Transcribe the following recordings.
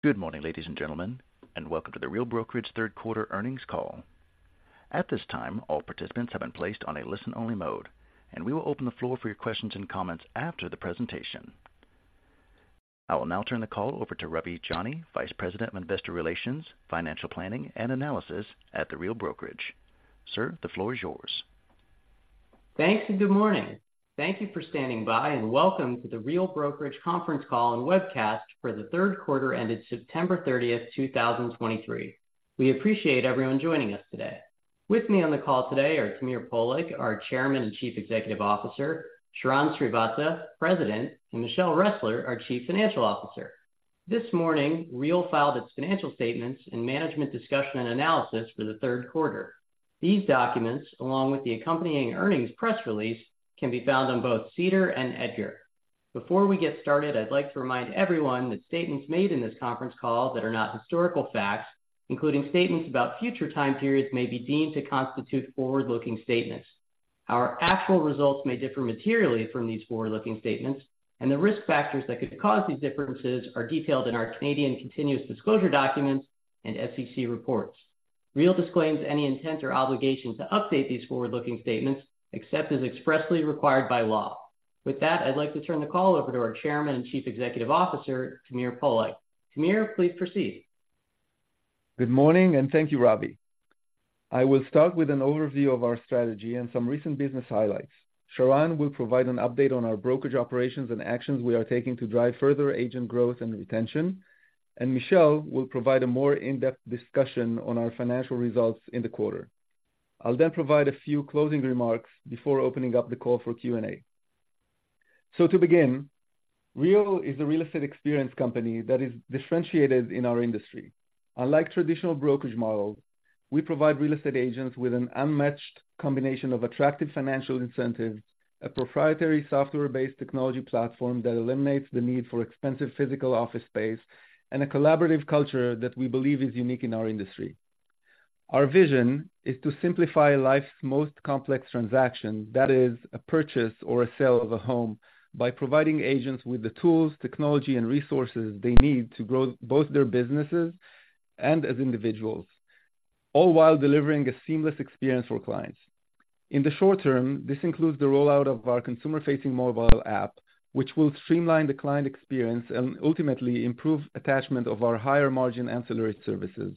Good morning, ladies and gentlemen, and welcome to the Real Brokerage third quarter earnings call. At this time, all participants have been placed on a listen-only mode, and we will open the floor for your questions and comments after the presentation. I will now turn the call over to Ravi Jani, Vice President of Investor Relations, Financial Planning, and Analysis at the Real Brokerage. Sir, the floor is yours. Thanks, and good morning. Thank you for standing by, and welcome to the Real Brokerage conference call and webcast for the third quarter ended September 30, 2023. We appreciate everyone joining us today. With me on the call today are Tamir Poleg, our Chairman and Chief Executive Officer, Sharran Srivatsaa, President, and Michelle Ressler, our Chief Financial Officer. This morning, Real filed its financial statements and management discussion and analysis for the third quarter. These documents, along with the accompanying earnings press release, can be found on both SEDAR and EDGAR. Before we get started, I'd like to remind everyone that statements made in this conference call that are not historical facts, including statements about future time periods, may be deemed to constitute forward looking statements. Our actual results may differ materially from these forward-looking statements, and the risk factors that could cause these differences are detailed in our Canadian continuous disclosure documents and SEC reports. Real disclaims any intent or obligation to update these forward-looking statements, except as expressly required by law. With that, I'd like to turn the call over to our Chairman and Chief Executive Officer, Tamir Poleg. Tamir, please proceed. Good morning, and thank you, Ravi. I will start with an overview of our strategy and some recent business highlights. Sharran will provide an update on our brokerage operations and actions we are taking to drive further agent growth and retention, and Michelle will provide a more in-depth discussion on our financial results in the quarter. I'll then provide a few closing remarks before opening up the call for Q&A. To begin, Real is a real estate experience company that is differentiated in our industry. Unlike traditional brokerage models, we provide real estate agents with an unmatched combination of attractive financial incentives, a proprietary software-based technology platform that eliminates the need for expensive physical office space, and a collaborative culture that we believe is unique in our industry. Our vision is to simplify life's most complex transaction, that is, a purchase or a sale of a home, by providing agents with the tools, technology, and resources they need to grow both their businesses and as individuals, all while delivering a seamless experience for clients. In the short term, this includes the rollout of our consumer-facing mobile app, which will streamline the client experience and ultimately improve attachment of our higher-margin ancillary services.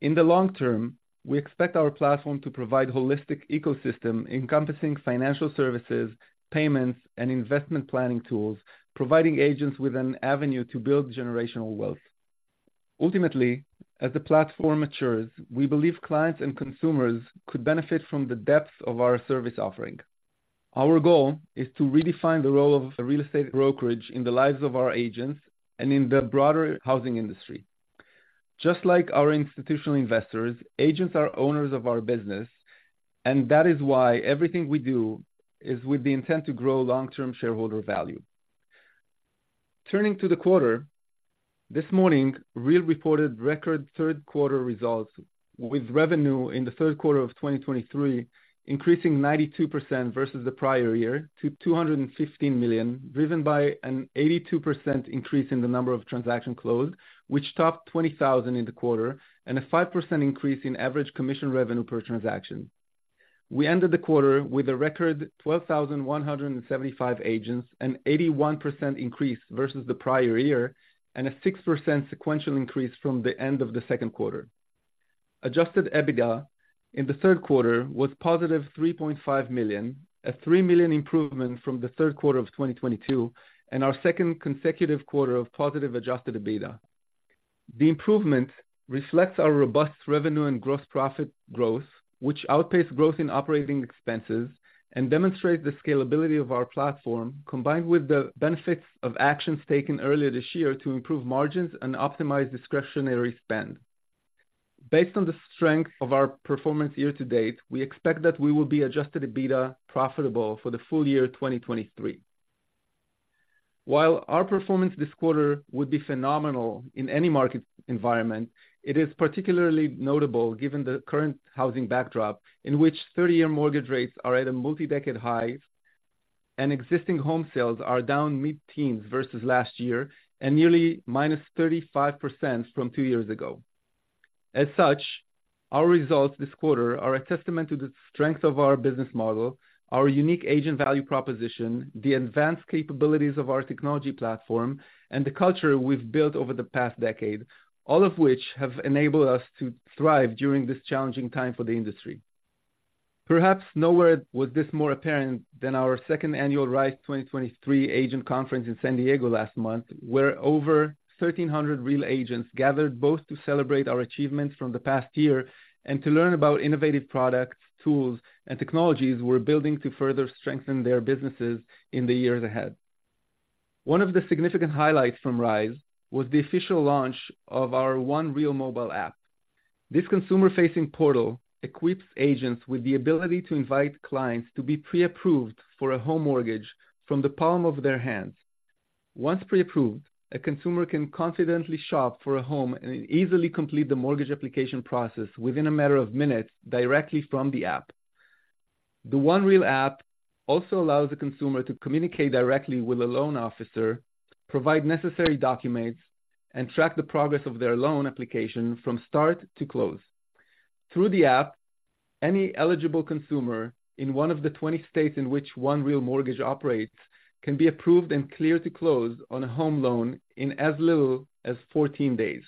In the long term, we expect our platform to provide holistic ecosystem, encompassing financial services, payments, and investment planning tools, providing agents with an avenue to build generational wealth. Ultimately, as the platform matures, we believe clients and consumers could benefit from the depth of our service offering. Our goal is to redefine the role of a real estate brokerage in the lives of our agents and in the broader housing industry. Just like our institutional investors, agents are owners of our business, and that is why everything we do is with the intent to grow long-term shareholder value. Turning to the quarter, this morning, Real reported record third quarter results, with revenue in the third quarter of 2023 increasing 92% versus the prior year to $215 million, driven by an 82% increase in the number of transactions closed, which topped 20,000 in the quarter, and a 5% increase in average commission revenue per transaction. We ended the quarter with a record 12,175 agents, an 81% increase versus the prior year, and a 6% sequential increase from the end of the second quarter. Adjusted EBITDA in the third quarter was positive $3.5 million, a $3 million improvement from the third quarter of 2022, and our second consecutive quarter of positive adjusted EBITDA. The improvement reflects our robust revenue and gross profit growth, which outpaced growth in operating expenses and demonstrates the scalability of our platform, combined with the benefits of actions taken earlier this year to improve margins and optimize discretionary spend. Based on the strength of our performance year to date, we expect that we will be adjusted EBITDA profitable for the full year 2023. While our performance this quarter would be phenomenal in any market environment, it is particularly notable given the current housing backdrop, in which 30-year mortgage rates are at a multi-decade high and existing home sales are down mid-teens versus last year and nearly -35% from two years ago. As such, our results this quarter are a testament to the strength of our business model, our unique agent value proposition, the advanced capabilities of our technology platform, and the culture we've built over the past decade, all of which have enabled us to thrive during this challenging time for the industry. Perhaps nowhere was this more apparent than our second annual Rise 2023 agent conference in San Diego last month, where over 1,300 Real agents gathered both to celebrate our achievements from the past year and to learn about innovative products, tools, and technologies we're building to further strengthen their businesses in the years ahead. One of the significant highlights from Rise was the official launch of our One Real mobile app. This consumer-facing portal equips agents with the ability to invite clients to be pre-approved for a home mortgage from the palm of their hands. Once pre-approved, a consumer can confidently shop for a home and easily complete the mortgage application process within a matter of minutes directly from the app. The One Real app also allows the consumer to communicate directly with a loan officer, provide necessary documents, and track the progress of their loan application from start to close. Through the app, any eligible consumer in one of the 20 states in which One Real Mortgage operates, can be approved and clear to close on a home loan in as little as 14 days.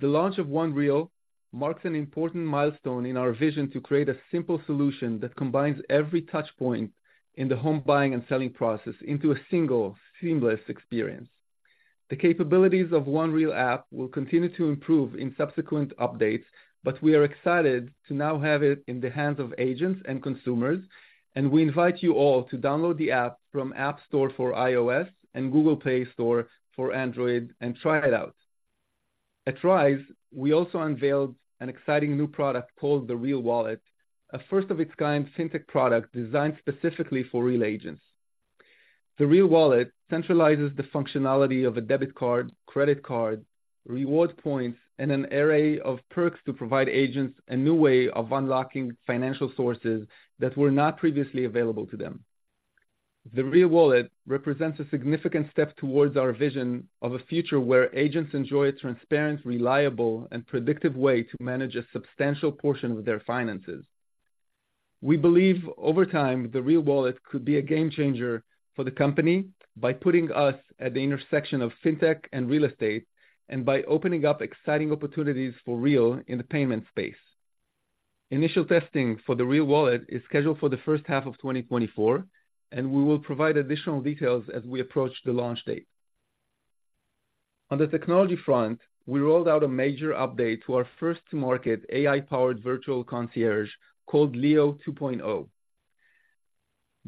The launch of One Real marks an important milestone in our vision to create a simple solution that combines every touch point in the home buying and selling process into a single seamless experience. The capabilities of One Real app will continue to improve in subsequent updates, but we are excited to now have it in the hands of agents and consumers, and we invite you all to download the app from App Store for iOS and Google Play Store for Android and try it out. At Rise, we also unveiled an exciting new product called the Real Wallet, a first of its kind fintech product designed specifically for Real agents. The Real Wallet centralizes the functionality of a debit card, credit card, reward points, and an array of perks to provide agents a new way of unlocking financial sources that were not previously available to them. The Real Wallet represents a significant step towards our vision of a future where agents enjoy a transparent, reliable, and predictive way to manage a substantial portion of their finances. We believe over time, the Real Wallet could be a game changer for the company by putting us at the intersection of fintech and real estate, and by opening up exciting opportunities for Real in the payment space. Initial testing for the Real Wallet is scheduled for the first half of 2024, and we will provide additional details as we approach the launch date. On the technology front, we rolled out a major update to our first-to-market AI-powered virtual concierge called Leo 2.0.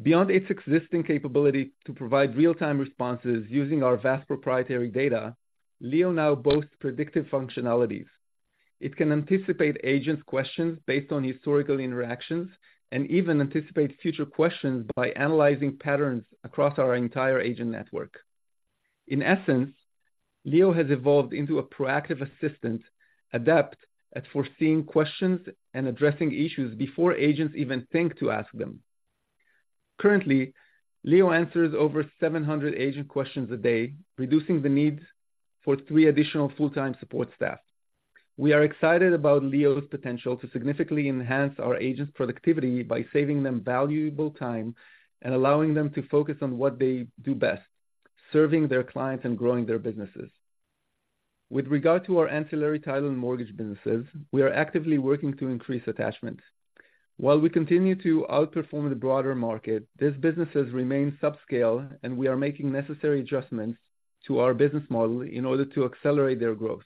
Beyond its existing capability to provide real-time responses using our vast proprietary data, Leo now boasts predictive functionalities. It can anticipate agents' questions based on historical interactions and even anticipate future questions by analyzing patterns across our entire agent network. In essence, Leo has evolved into a proactive assistant, adept at foreseeing questions and addressing issues before agents even think to ask them. Currently, Leo answers over 700 agent questions a day, reducing the need for 3 additional full-time support staff. We are excited about Leo's potential to significantly enhance our agents' productivity by saving them valuable time and allowing them to focus on what they do best, serving their clients and growing their businesses. With regard to our ancillary title and mortgage businesses, we are actively working to increase attachments. While we continue to outperform the broader market, these businesses remain subscale, and we are making necessary adjustments to our business model in order to accelerate their growth.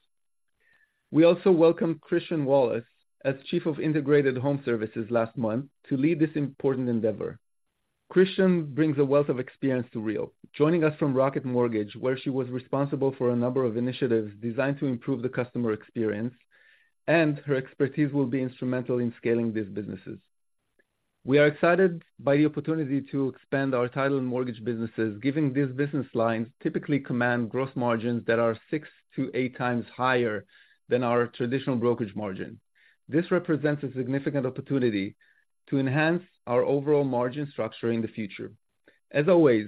We also welcomed Christian Wallace as Chief of Integrated Home Services last month to lead this important endeavor. Christian brings a wealth of experience to Real, joining us from Rocket Mortgage, where she was responsible for a number of initiatives designed to improve the customer experience, and her expertise will be instrumental in scaling these businesses. We are excited by the opportunity to expand our title and mortgage businesses, giving these business lines typically command gross margins that are 6-8 times higher than our traditional brokerage margin. This represents a significant opportunity to enhance our overall margin structure in the future. As always,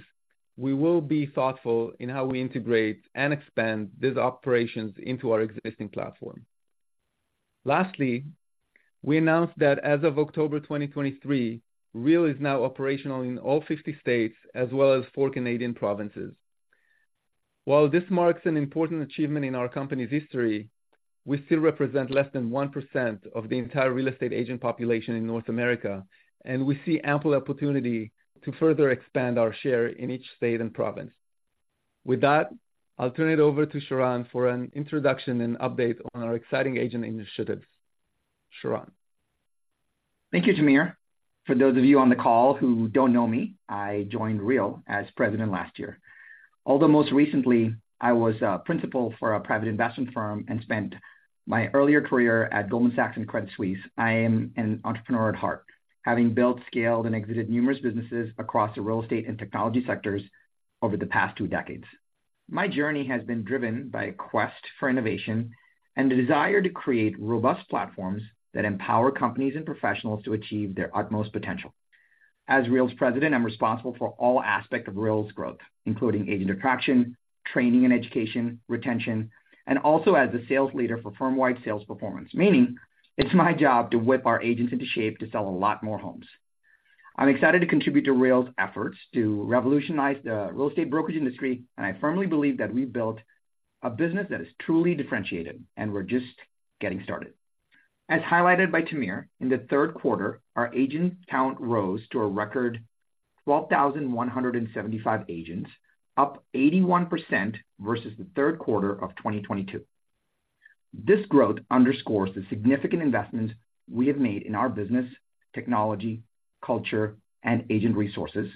we will be thoughtful in how we integrate and expand these operations into our existing platform. Lastly, we announced that as of October 2023, Real is now operational in all 50 states as well as four Canadian provinces. While this marks an important achievement in our company's history, we still represent less than 1% of the entire real estate agent population in North America, and we see ample opportunity to further expand our share in each state and province. With that, I'll turn it over to Sharran for an introduction and update on our exciting agent initiatives. Sharran. Thank you, Tamir. For those of you on the call who don't know me, I joined Real as president last year. Although most recently, I was a principal for a private investment firm and spent my earlier career at Goldman Sachs and Credit Suisse. I am an entrepreneur at heart, having built, scaled, and exited numerous businesses across the real estate and technology sectors over the past two decades. My journey has been driven by a quest for innovation and the desire to create robust platforms that empower companies and professionals to achieve their utmost potential. As Real's president, I'm responsible for all aspects of Real's growth, including agent attraction, training and education, retention, and also as the sales leader for firm-wide sales performance, meaning it's my job to whip our agents into shape to sell a lot more homes. I'm excited to contribute to Real's efforts to revolutionize the real estate brokerage industry, and I firmly believe that we've built a business that is truly differentiated, and we're just getting started. As highlighted by Tamir, in the third quarter, our agent count rose to a record 12,175 agents, up 81% versus the third quarter of 2022. This growth underscores the significant investment we have made in our business, technology, culture, and agent resources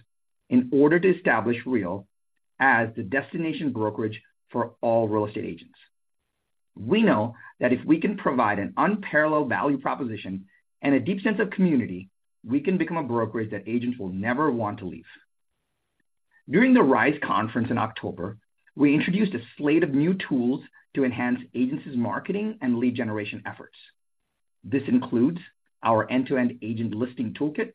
in order to establish Real as the destination brokerage for all real estate agents. We know that if we can provide an unparalleled value proposition and a deep sense of community, we can become a brokerage that agents will never want to leave. During the Rise conference in October, we introduced a slate of new tools to enhance agents' marketing and lead generation efforts. This includes our end-to-end agent listing toolkit,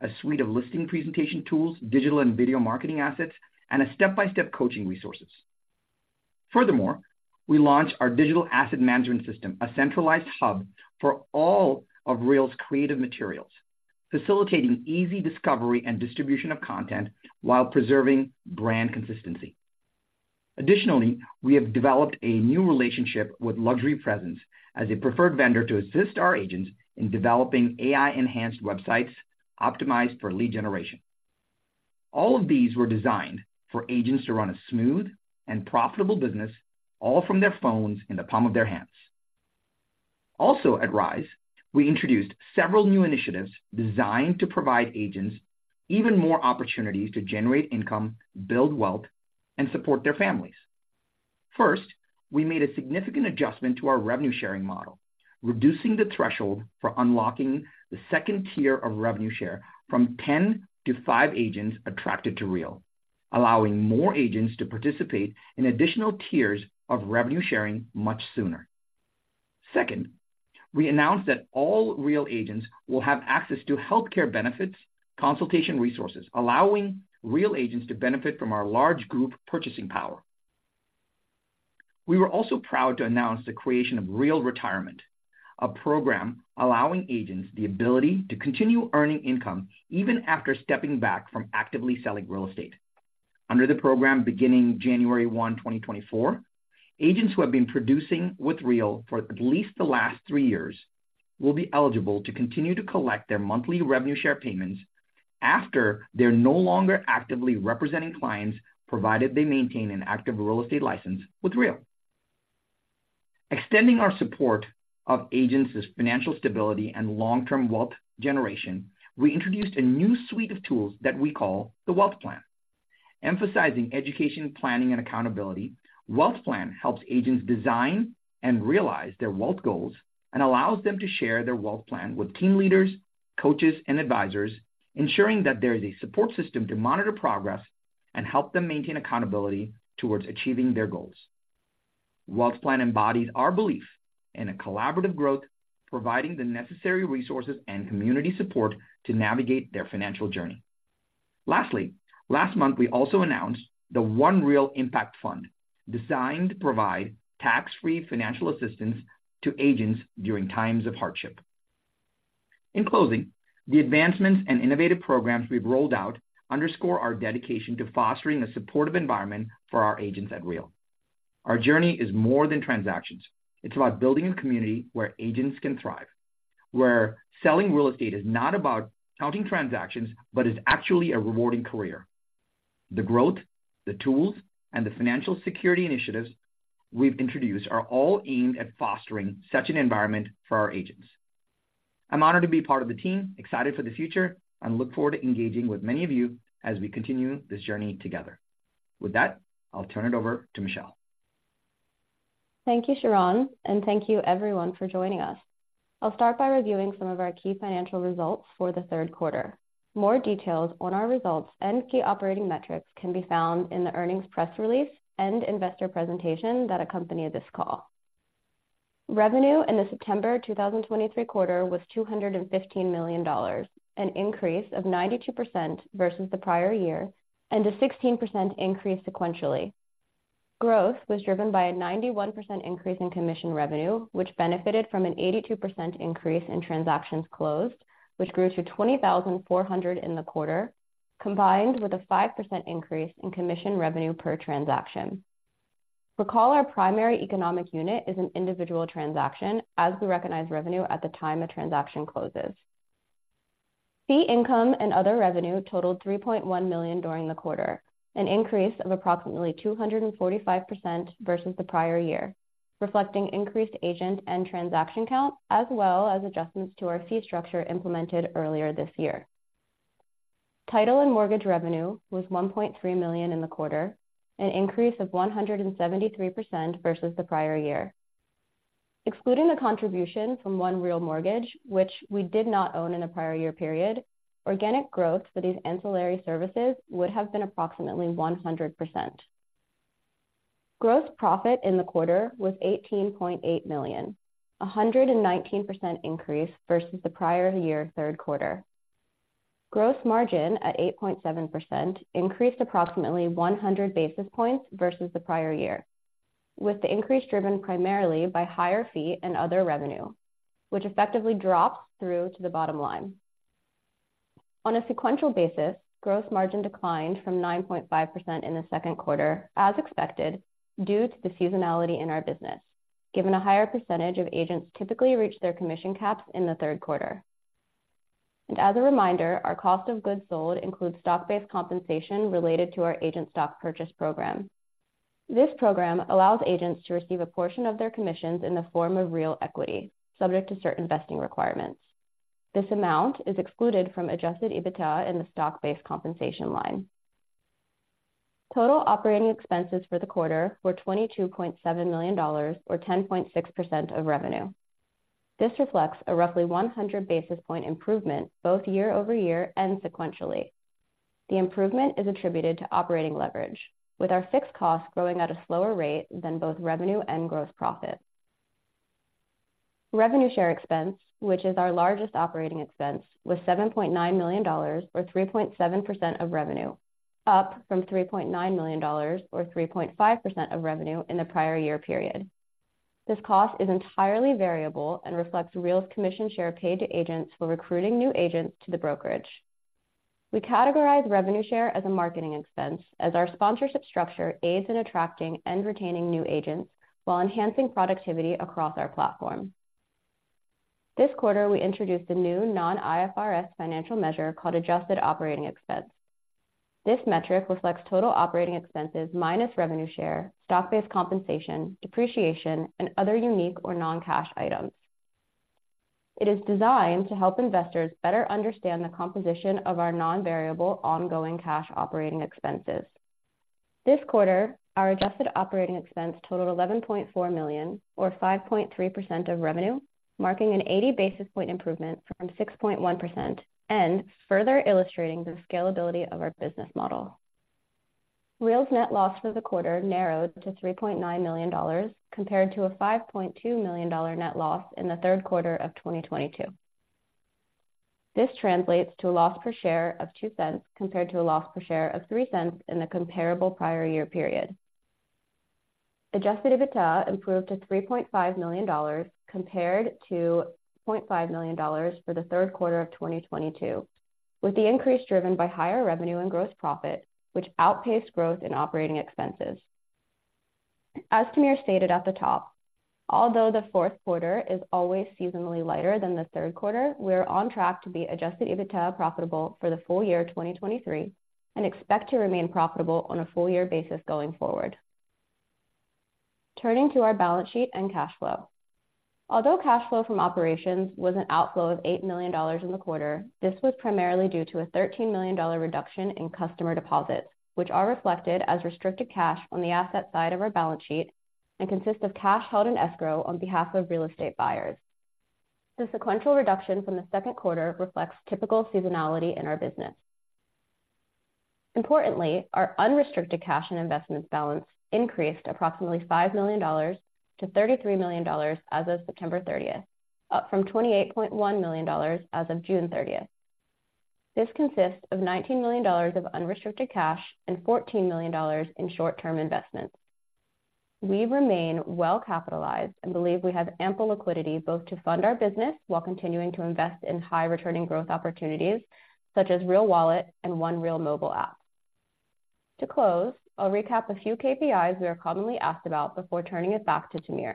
a suite of listing presentation tools, digital and video marketing assets, and a step-by-step coaching resources. Furthermore, we launched our digital asset management system, a centralized hub for all of Real's creative materials, facilitating easy discovery and distribution of content while preserving brand consistency. Additionally, we have developed a new relationship with Luxury Presence as a preferred vendor to assist our agents in developing AI-enhanced websites optimized for lead generation. All of these were designed for agents to run a smooth and profitable business, all from their phones in the palm of their hands. Also, at Rise, we introduced several new initiatives designed to provide agents even more opportunities to generate income, build wealth, and support their families. First, we made a significant adjustment to our revenue-sharing model, reducing the threshold for unlocking the second tier of revenue share from 10 to five agents attracted to Real, allowing more agents to participate in additional tiers of revenue sharing much sooner. Second, we announced that all Real agents will have access to healthcare benefits, consultation resources, allowing Real agents to benefit from our large group purchasing power. We were also proud to announce the creation of Real Retirement, a program allowing agents the ability to continue earning income even after stepping back from actively selling real estate. Under the program, beginning January 1, 2024, agents who have been producing with Real for at least the last three years will be eligible to continue to collect their monthly revenue share payments after they're no longer actively representing clients, provided they maintain an active real estate license with Real. Extending our support of agents' financial stability and long-term wealth generation, we introduced a new suite of tools that we call the WealthPlan. Emphasizing education, planning, and accountability, WealthPlan helps agents design and realize their wealth goals and allows them to share their WealthPlan with team leaders, coaches, and advisors, ensuring that there is a support system to monitor progress and help them maintain accountability towards achieving their goals. WealthPlan embodies our belief in a collaborative growth, providing the necessary resources and community support to navigate their financial journey. Lastly, last month, we also announced the One Real Impact Fund, designed to provide tax-free financial assistance to agents during times of hardship. In closing, the advancements and innovative programs we've rolled out underscore our dedication to fostering a supportive environment for our agents at Real. Our journey is more than transactions. It's about building a community where agents can thrive, where selling real estate is not about counting transactions, but is actually a rewarding career. The growth, the tools, and the financial security initiatives we've introduced are all aimed at fostering such an environment for our agents. I'm honored to be part of the team, excited for the future, and look forward to engaging with many of you as we continue this journey together. With that, I'll turn it over to Michelle. Thank you, Sharran, and thank you, everyone, for joining us. I'll start by reviewing some of our key financial results for the third quarter. More details on our results and key operating metrics can be found in the earnings press release and investor presentation that accompany this call. Revenue in the September 2023 quarter was $215 million, an increase of 92% versus the prior year, and a 16% increase sequentially. Growth was driven by a 91% increase in commission revenue, which benefited from an 82% increase in transactions closed, which grew to 20,400 in the quarter, combined with a 5% increase in commission revenue per transaction. Recall, our primary economic unit is an individual transaction, as we recognize revenue at the time a transaction closes. Fee income and other revenue totaled $3.1 million during the quarter, an increase of approximately 245% versus the prior year, reflecting increased agent and transaction count, as well as adjustments to our fee structure implemented earlier this year. Title and mortgage revenue was $1.3 million in the quarter, an increase of 173% versus the prior year. Excluding the contribution from One Real Mortgage, which we did not own in the prior year period, organic growth for these ancillary services would have been approximately 100%. Gross profit in the quarter was $18.8 million, 119% increase versus the prior year third quarter. Gross margin at 8.7% increased approximately 100 basis points versus the prior year, with the increase driven primarily by higher fee and other revenue, which effectively drops through to the bottom line. On a sequential basis, gross margin declined from 9.5% in the second quarter, as expected, due to the seasonality in our business, given a higher percentage of agents typically reach their commission caps in the third quarter. And as a reminder, our cost of goods sold includes stock-based compensation related to our agent stock purchase program. This program allows agents to receive a portion of their commissions in the form of Real equity, subject to certain vesting requirements. This amount is excluded from Adjusted EBITDA in the stock-based compensation line. Total operating expenses for the quarter were $22.7 million or 10.6% of revenue.... This reflects a roughly 100 basis point improvement, both year-over-year and sequentially. The improvement is attributed to operating leverage, with our fixed costs growing at a slower rate than both revenue and gross profit. Revenue share expense, which is our largest operating expense, was $7.9 million, or 3.7% of revenue, up from $3.9 million, or 3.5% of revenue in the prior year period. This cost is entirely variable and reflects Real's commission share paid to agents for recruiting new agents to the brokerage. We categorize revenue share as a marketing expense, as our sponsorship structure aids in attracting and retaining new agents while enhancing productivity across our platform. This quarter, we introduced a new non-IFRS financial measure called adjusted operating expense. This metric reflects total operating expenses minus revenue share, stock-based compensation, depreciation, and other unique or non-cash items. It is designed to help investors better understand the composition of our non-variable, ongoing cash operating expenses. This quarter, our adjusted operating expense totaled $11.4 million, or 5.3% of revenue, marking an 80 basis point improvement from 6.1% and further illustrating the scalability of our business model. Real's net loss for the quarter narrowed to $3.9 million, compared to a $5.2 million net loss in the third quarter of 2022. This translates to a loss per share of $0.02, compared to a loss per share of $0.03 in the comparable prior year period. Adjusted EBITDA improved to $3.5 million, compared to $0.5 million for the third quarter of 2022, with the increase driven by higher revenue and gross profit, which outpaced growth in operating expenses. As Tamir stated at the top, although the fourth quarter is always seasonally lighter than the third quarter, we are on track to be adjusted EBITDA profitable for the full year 2023 and expect to remain profitable on a full year basis going forward. Turning to our balance sheet and cash flow. Although cash flow from operations was an outflow of $8 million in the quarter, this was primarily due to a $13 million reduction in customer deposits, which are reflected as restricted cash on the asset side of our balance sheet and consist of cash held in escrow on behalf of real estate buyers. The sequential reduction from the second quarter reflects typical seasonality in our business. Importantly, our unrestricted cash and investment balance increased approximately $5 million to $33 million as of September 30th, up from $28.1 million as of June 30th. This consists of $19 million of unrestricted cash and $14 million in short-term investments. We remain well capitalized and believe we have ample liquidity, both to fund our business while continuing to invest in high-returning growth opportunities, such as Real Wallet and One Real mobile app. To close, I'll recap a few KPIs we are commonly asked about before turning it back to Tamir.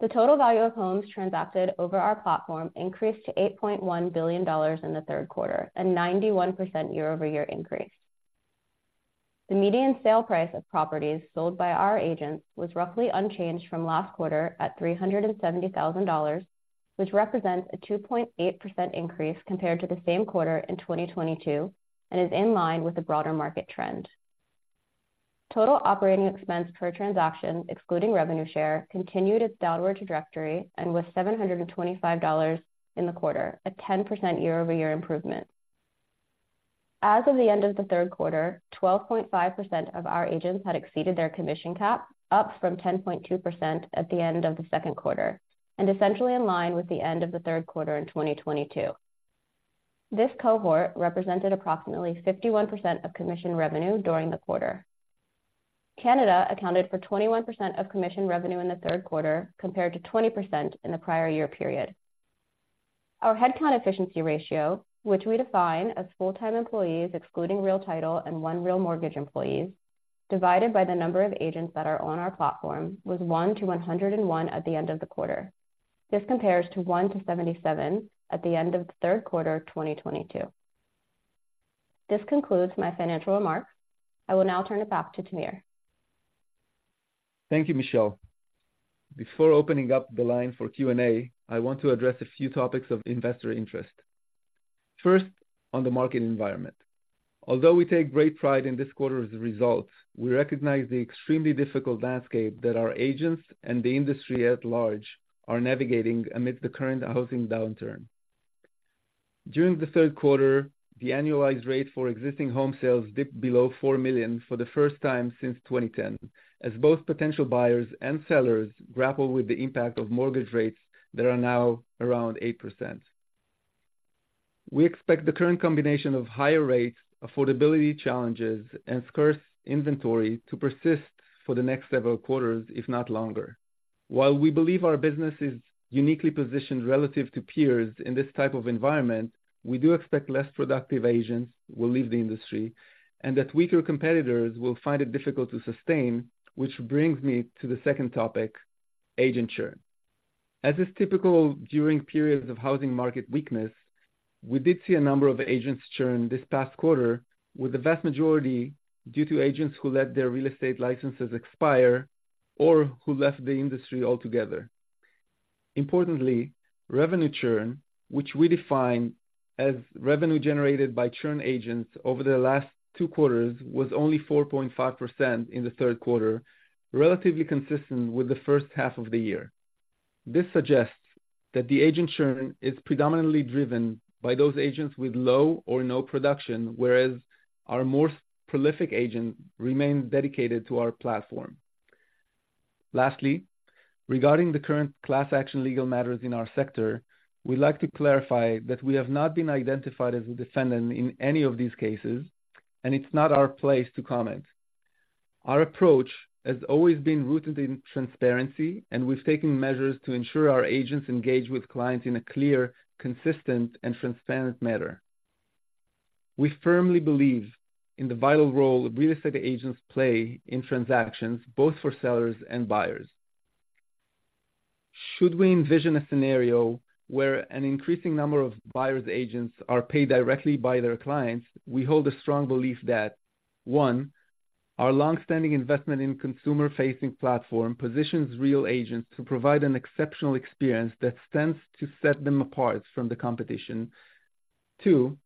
The total value of homes transacted over our platform increased to $8.1 billion in the third quarter, a 91% year-over-year increase. The median sale price of properties sold by our agents was roughly unchanged from last quarter at $370,000, which represents a 2.8% increase compared to the same quarter in 2022 and is in line with the broader market trend. Total operating expense per transaction, excluding revenue share, continued its downward trajectory and was $725 in the quarter, a 10% year-over-year improvement. As of the end of the third quarter, 12.5% of our agents had exceeded their commission cap, up from 10.2% at the end of the second quarter, and essentially in line with the end of the third quarter in 2022. This cohort represented approximately 51% of commission revenue during the quarter. Canada accounted for 21% of commission revenue in the third quarter, compared to 20% in the prior year period. Our headcount efficiency ratio, which we define as full-time employees, excluding Real Title and One Real Mortgage employees, divided by the number of agents that are on our platform, was 1 to 101 at the end of the quarter. This compares to one to 77 at the end of the third quarter of 2022. This concludes my financial remarks. I will now turn it back to Tamir. Thank you, Michelle. Before opening up the line for Q&A, I want to address a few topics of investor interest. First, on the market environment. Although we take great pride in this quarter's results, we recognize the extremely difficult landscape that our agents and the industry at large are navigating amidst the current housing downturn. During the third quarter, the annualized rate for existing home sales dipped below $4 million for the first time since 2010, as both potential buyers and sellers grapple with the impact of mortgage rates that are now around 8%. We expect the current combination of higher rates, affordability challenges, and scarce inventory to persist for the next several quarters, if not longer. While we believe our business is uniquely positioned relative to peers in this type of environment, we do expect less productive agents will leave the industry and that weaker competitors will find it difficult to sustain, which brings me to the second topic, agent churn. As is typical during periods of housing market weakness, we did see a number of agents churn this past quarter, with the vast majority due to agents who let their real estate licenses expire or who left the industry altogether. Importantly, revenue churn, which we define as revenue generated by churn agents over the last two quarters was only 4.5% in the third quarter, relatively consistent with the first half of the year. This suggests that the agent churn is predominantly driven by those agents with low or no production, whereas our more prolific agents remain dedicated to our platform. Lastly, regarding the current class action legal matters in our sector, we'd like to clarify that we have not been identified as a defendant in any of these cases, and it's not our place to comment. Our approach has always been rooted in transparency, and we've taken measures to ensure our agents engage with clients in a clear, consistent, and transparent manner. We firmly believe in the vital role real estate agents play in transactions, both for sellers and buyers. Should we envision a scenario where an increasing number of buyer's agents are paid directly by their clients, we hold a strong belief that, one, our long-standing investment in consumer-facing platform positions Real Agents to provide an exceptional experience that stands to set them apart from the competition, two.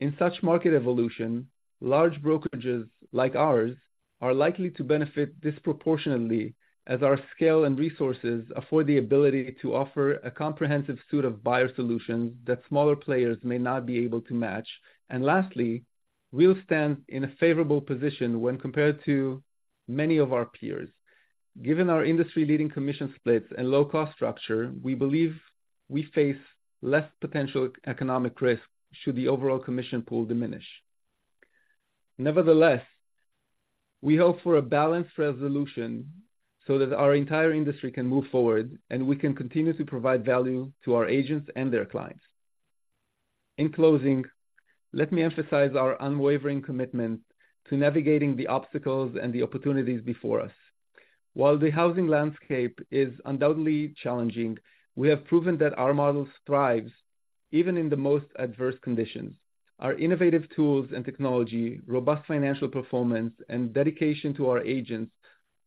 In such market evolution, large brokerages like ours are likely to benefit disproportionately as our scale and resources afford the ability to offer a comprehensive suite of buyer solutions that smaller players may not be able to match. Lastly, we'll stand in a favorable position when compared to many of our peers. Given our industry-leading commission splits and low-cost structure, we believe we face less potential economic risk should the overall commission pool diminish. Nevertheless, we hope for a balanced resolution so that our entire industry can move forward, and we can continue to provide value to our agents and their clients. In closing, let me emphasize our unwavering commitment to navigating the obstacles and the opportunities before us. While the housing landscape is undoubtedly challenging, we have proven that our model strives even in the most adverse conditions. Our innovative tools and technology, robust financial performance, and dedication to our agents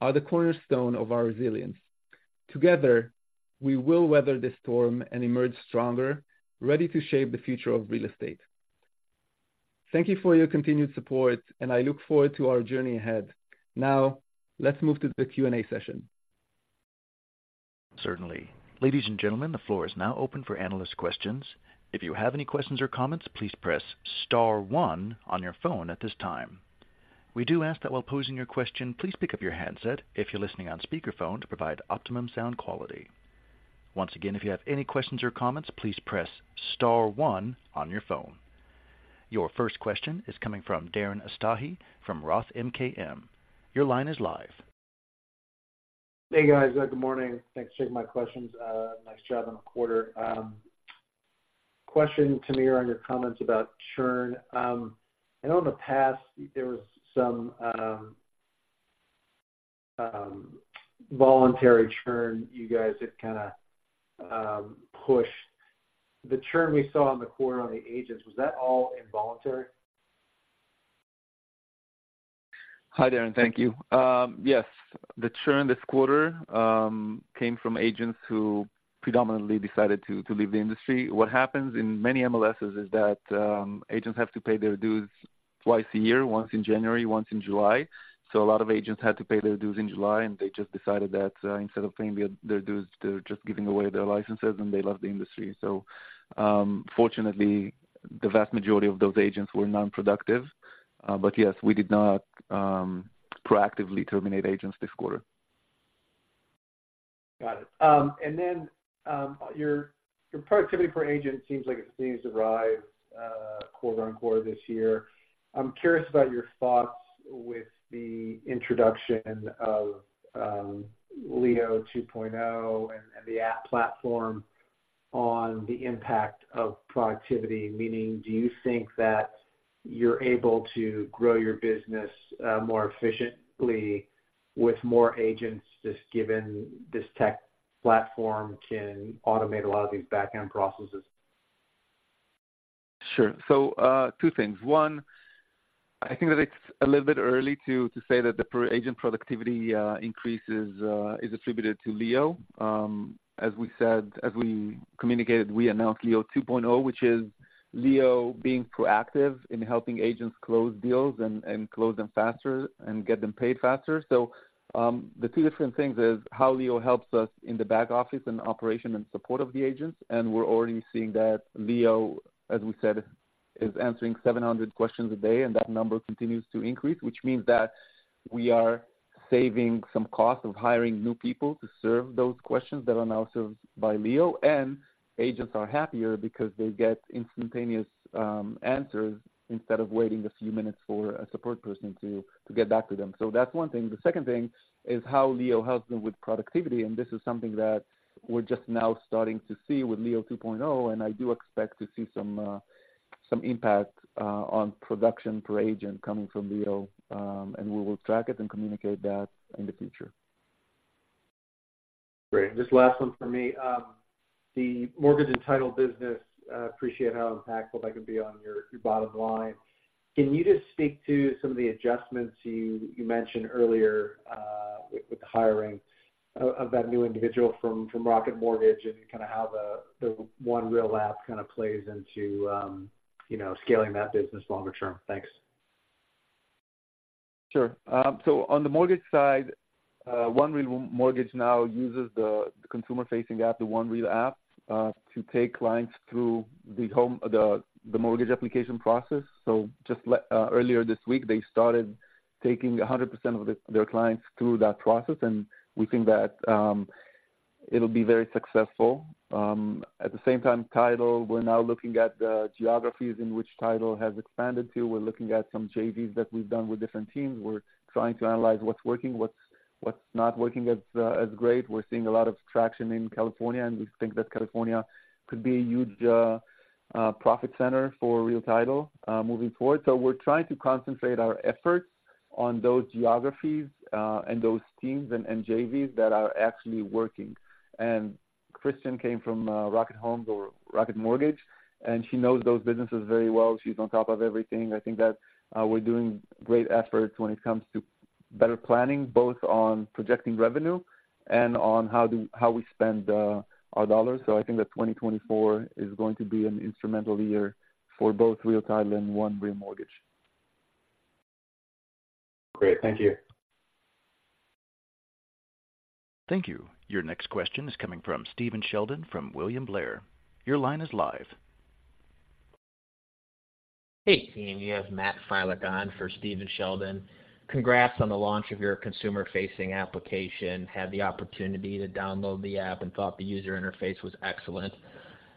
are the cornerstone of our resilience. Together, we will weather this storm and emerge stronger, ready to shape the future of real estate. Thank you for your continued support, and I look forward to our journey ahead. Now, let's move to the Q&A session. Certainly. Ladies and gentlemen, the floor is now open for analyst questions. If you have any questions or comments, please press star one on your phone at this time. We do ask that while posing your question, please pick up your handset if you're listening on speakerphone to provide optimum sound quality. Once again, if you have any questions or comments, please press star one on your phone. Your first question is coming from Darren Aftahi from Roth MKM. Your line is live. Hey, guys. Good morning. Thanks for taking my questions. Nice job on the quarter. Question to me on your comments about churn. I know in the past there was some voluntary churn you guys had kinda pushed. The churn we saw on the quarter on the agents, was that all involuntary? Hi, Darren. Thank you. Yes, the churn this quarter came from agents who predominantly decided to leave the industry. What happens in many MLSs is that agents have to pay their dues twice a year, once in January, once in July. So a lot of agents had to pay their dues in July, and they just decided that, instead of paying their dues, they're just giving away their licenses, and they left the industry. So, fortunately, the vast majority of those agents were non-productive. But yes, we did not proactively terminate agents this quarter. Got it. And then, your, your productivity per agent seems like it continues to rise, quarter on quarter this year. I'm curious about your thoughts with the introduction of, Leo 2.0 and, and the app platform on the impact of productivity. Meaning, do you think that you're able to grow your business, more efficiently with more agents, just given this tech platform can automate a lot of these back-end processes? Sure. So, two things. One, I think that it's a little bit early to say that the per agent productivity increase is attributed to Leo. As we said, as we communicated, we announced Leo 2.0, which is Leo being proactive in helping agents close deals and close them faster and get them paid faster. So, the two different things is how Leo helps us in the back office and operation and support of the agents, and we're already seeing that Leo, as we said, is answering 700 questions a day, and that number continues to increase, which means that we are saving some cost of hiring new people to serve those questions that are now served by Leo. Agents are happier because they get instantaneous answers instead of waiting a few minutes for a support person to get back to them. So that's one thing. The second thing is how Leo helps them with productivity, and this is something that we're just now starting to see with Leo 2.0, and I do expect to see some impact on production per agent coming from Leo, and we will track it and communicate that in the future. Great. Just last one for me. The mortgage and title business, I appreciate how impactful that could be on your, your bottom line. Can you just speak to some of the adjustments you, you mentioned earlier, with, with the hiring of, of that new individual from, from Rocket Mortgage, and kind of how the, the One Real app kind of plays into, scaling that business longer term. Thanks. Sure. So on the mortgage side, One Real Mortgage now uses the consumer-facing app, the One Real app, to take clients through the mortgage application process. So just earlier this week, they started taking 100% of their clients through that process, and we think that it'll be very successful. At the same time, Title, we're now looking at the geographies in which Title has expanded to. We're looking at some JVs that we've done with different teams. We're trying to analyze what's working, what's not working as great. We're seeing a lot of traction in California, and we think that California could be a huge profit center for Real Title moving forward. So we're trying to concentrate our efforts on those geographies, and those teams and, and JVs that are actually working. And Christian came from Rocket Homes or Rocket Mortgage, and she knows those businesses very well. She's on top of everything. I think that we're doing great efforts when it comes to better planning, both on projecting revenue and on how we spend our dollars. So I think that 2024 is going to be an instrumental year for both Real Title and One Real Mortgage. Great. Thank you. Thank you. Your next question is coming from Steven Sheldon from William Blair. Your line is live. Hey, team, you have Matt Filak on for Steven Sheldon. Congrats on the launch of your consumer-facing application. Had the opportunity to download the app and thought the user interface was excellent.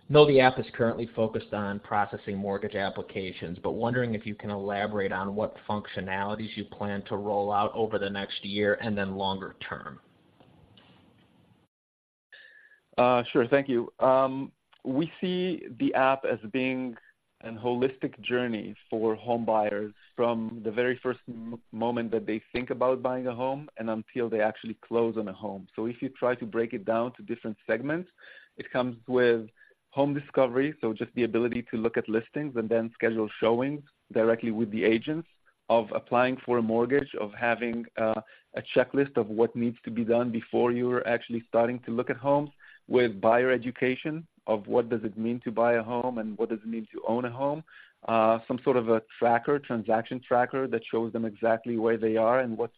Know the app is currently focused on processing mortgage applications, but wondering if you can elaborate on what functionalities you plan to roll out over the next year, and then longer term? Sure. Thank you. We see the app as being an holistic journey for home buyers from the very first moment that they think about buying a home and until they actually close on a home. So if you try to break it down to different segments, it comes with home discovery, so just the ability to look at listings and then schedule showings directly with the agents, of applying for a mortgage, of having a checklist of what needs to be done before you're actually starting to look at homes, with buyer education of what does it mean to buy a home and what does it mean to own a home. Some sort of a tracker, transaction tracker, that shows them exactly where they are and what's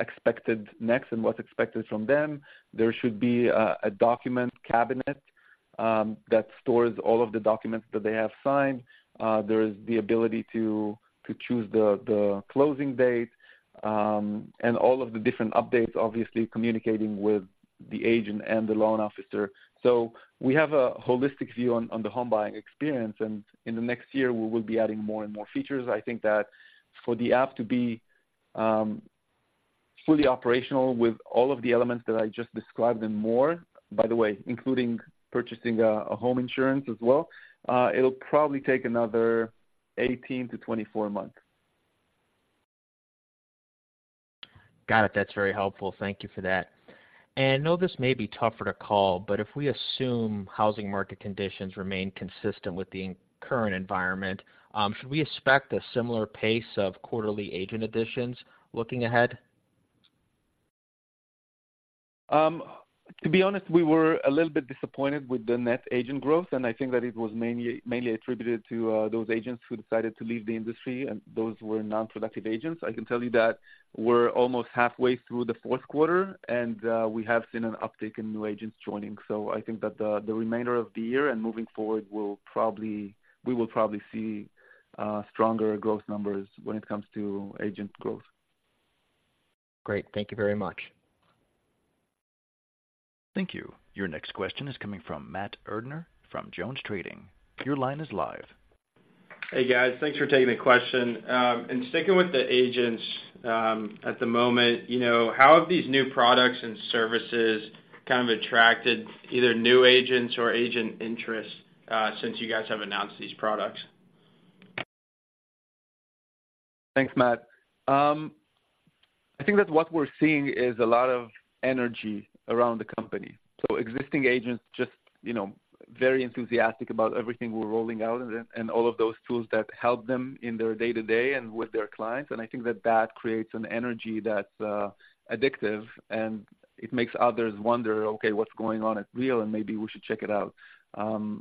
expected next and what's expected from them. There should be a document cabinet that stores all of the documents that they have signed. There is the ability to choose the closing date and all of the different updates, obviously communicating with the agent and the loan officer. So we have a holistic view on the home buying experience, and in the next year, we will be adding more and more features. I think that for the app to be fully operational with all of the elements that I just described and more, by the way, including purchasing a home insurance as well, it'll probably take another 18-24 months. Got it. That's very helpful. Thank you for that. And I know this may be tougher to call, but if we assume housing market conditions remain consistent with the current environment, should we expect a similar pace of quarterly agent additions looking ahead? To be honest, we were a little bit disappointed with the net agent growth, and I think that it was mainly, mainly attributed to those agents who decided to leave the industry, and those were non-productive agents. I can tell you that we're almost halfway through the fourth quarter, and we have seen an uptick in new agents joining. So I think that the remainder of the year and moving forward, we will probably see stronger growth numbers when it comes to agent growth. Great. Thank you very much. Thank you. Your next question is coming from Matt Erdner from JonesTrading. Your line is live. Hey, guys. Thanks for taking the question. Sticking with the agents, at the moment, you know, how have these new products and services kind of attracted either new agents or agent interest, since you guys have announced these products? Thanks, Matt. I think that what we're seeing is a lot of energy around the company. So existing agents just, you know, very enthusiastic about everything we're rolling out and all of those tools that help them in their day-to-day and with their clients. And I think that that creates an energy that's addictive, and it makes others wonder, "Okay, what's going on at Real, and maybe we should check it out?"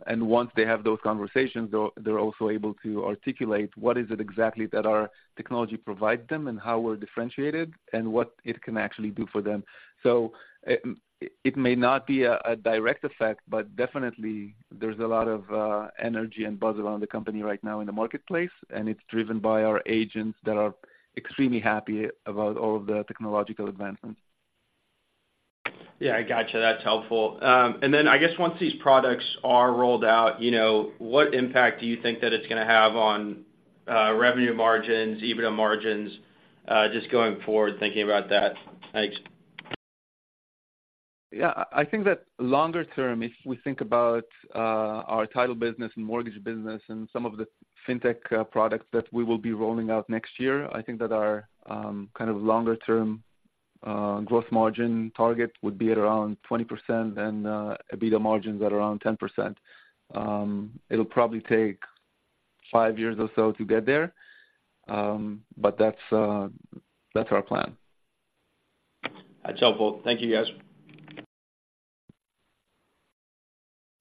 And once they have those conversations, though, they're also able to articulate what is it exactly that our technology provides them, and how we're differentiated, and what it can actually do for them. So it may not be a direct effect, but definitely there's a lot of energy and buzz around the company right now in the marketplace, and it's driven by our agents that are extremely happy about all of the technological advancements. Yeah, I got you. That's helpful. And then I guess once these products are rolled out, you know, what impact do you think that it's gonna have on revenue margins, EBITDA margins, just going forward, thinking about that? Thanks. Yeah, I think that longer term, if we think about our title business and mortgage business and some of the fintech products that we will be rolling out next year, I think that our kind of longer term growth margin target would be at around 20% and EBITDA margins at around 10%. It'll probably take 5 years or so to get there. But that's our plan. That's helpful. Thank you, guys.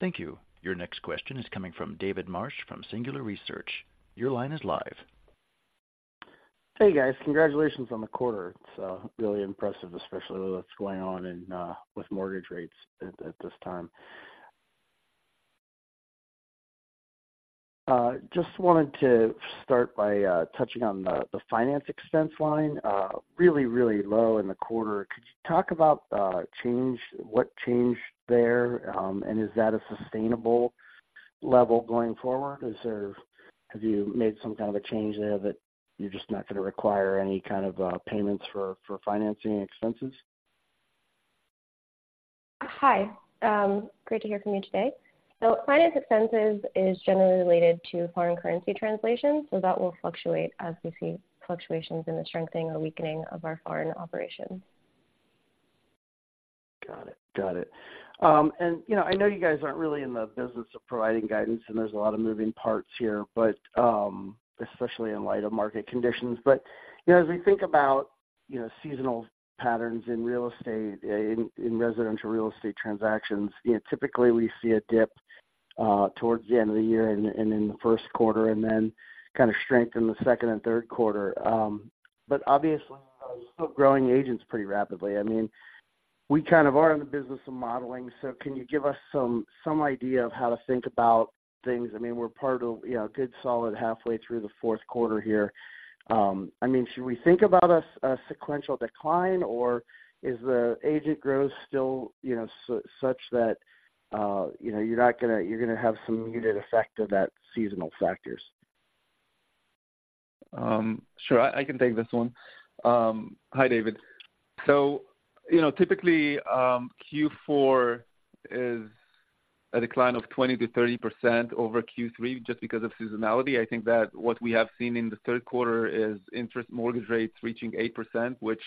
Thank you. Your next question is coming from David Marsh, from Singular Research. Your line is live. Hey, guys. Congratulations on the quarter. It's really impressive, especially with what's going on in with mortgage rates at this time. Just wanted to start by touching on the finance expense line. Really, really low in the quarter. Could you talk about what changed there? And is that a sustainable level going forward, or have you made some kind of a change there that you're just not gonna require any kind of payments for financing expenses? Hi. Great to hear from you today. Finance expenses is generally related to foreign currency translation, so that will fluctuate as we see fluctuations in the strengthening or weakening of our foreign operations. Got it. Got it. And, you know, I know you guys aren't really in the business of providing guidance, and there's a lot of moving parts here, but, especially in light of market conditions. But, you know, as we think about, you know, seasonal patterns in real estate, in residential real estate transactions, you know, typically we see a dip towards the end of the year and in the first quarter, and then kind of strengthen the second and third quarter. But obviously, you're still growing agents pretty rapidly. I mean, we kind of are in the business of modeling, so can you give us some idea of how to think about things? I mean, we're part of, you know, a good solid halfway through the fourth quarter here. I mean, should we think about a sequential decline, or is the agent growth still, you know, such that, you know, you're gonna have some muted effect of that seasonal factors? Sure. I can take this one. Hi, David. So, you know, typically, Q4 is a decline of 20%-30% over Q3 just because of seasonality. I think that what we have seen in the third quarter is interest mortgage rates reaching 8%, which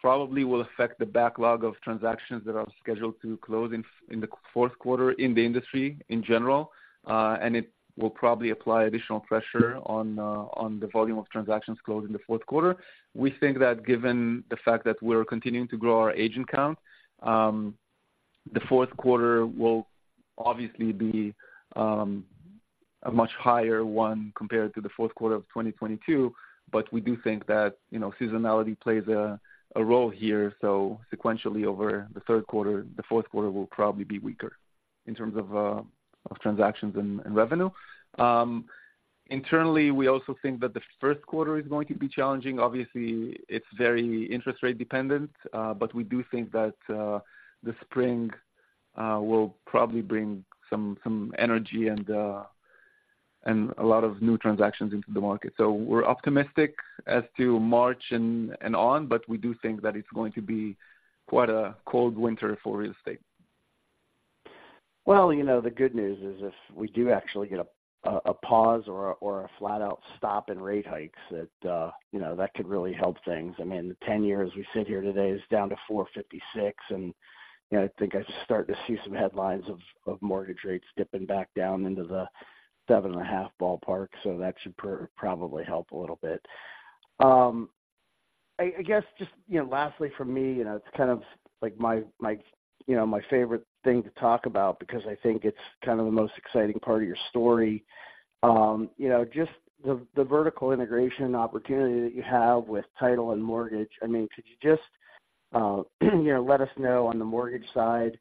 probably will affect the backlog of transactions that are scheduled to close in the fourth quarter in the industry in general. And it will probably apply additional pressure on the volume of transactions closed in the fourth quarter. We think that given the fact that we're continuing to grow our agent count, the fourth quarter will obviously be a much higher one compared to the fourth quarter of 2022, but we do think that, you know, seasonality plays a role here. So sequentially over the third quarter, the fourth quarter will probably be weaker in terms of of transactions and revenue. Internally, we also think that the first quarter is going to be challenging. Obviously, it's very interest rate dependent, but we do think that the spring will probably bring some energy and a lot of new transactions into the market. So we're optimistic as to March and on, but we do think that it's going to be quite a cold winter for real estate. Well, you know, the good news is if we do actually get a pause or a flat out stop in rate hikes, that, you know, that could really help things. I mean, the 10-year we sit here today is down to 4.56, and, you know, I think I start to see some headlines of mortgage rates dipping back down into the 7.5 ballpark, so that should probably help a little bit. I guess just, you know, lastly for me, you know, it's kind of like my, you know, my favorite thing to talk about because I think it's kind of the most exciting part of your story. You know, just the vertical integration opportunity that you have with title and mortgage. I mean, could you just, you know, let us know on the mortgage side,